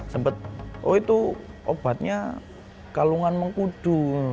sempat oh itu obatnya kalungan mengkudu